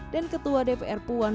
dan ketua dpr puandang